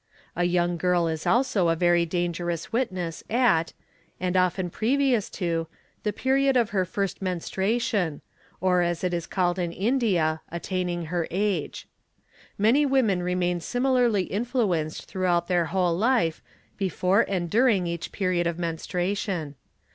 A young gl is also a very dangerous witness at, and often previous to, the period of ne first menstruation, or as it is called in India " attaining her age.'' Mar women remain similarly influenced throughout their whole life, befo: "e and during each period of menstruation.